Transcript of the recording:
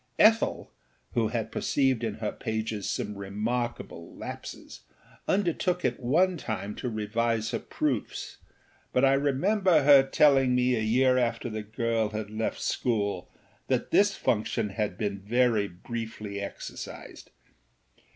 Ethel, who had perceived in her pages some remarkable lapses, undertook at one time to revise her proofs; but I remember her telling me a year after the girl had left school that this function had been very briefly exercised.